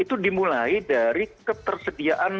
itu dimulai dari ketersediaan jumlah tim